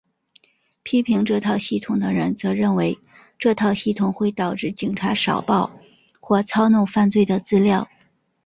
批评这套系统的人则认为这套系统会导致警察少报或操弄犯罪的资料。